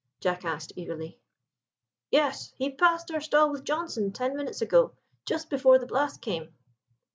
Jack asked eagerly. "Yes, he passed our stall with Johnstone ten minutes ago, just before the blast came."